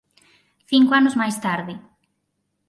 cinco anos máis tarde